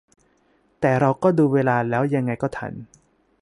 แต่เราก็ดูเวลาแล้วยังไงก็ทัน